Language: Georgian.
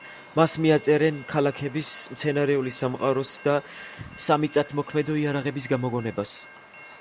მას მიაწერდნენ ქალაქების მცენარეული სამყაროს და სამიწათმოქმედო იარაღების გამოგონებას.